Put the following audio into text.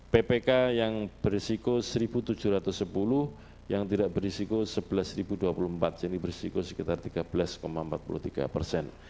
ppk yang berisiko satu tujuh ratus sepuluh yang tidak berisiko sebelas dua puluh empat jadi berisiko sekitar tiga belas empat puluh tiga persen